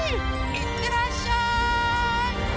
いってらっしゃい！